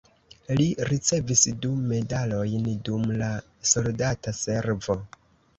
Li ricevis du medalojn dum la soldata servo.